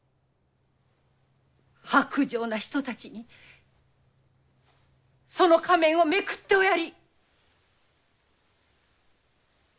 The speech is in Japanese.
薄情な人たちにその仮面をめくっておやり。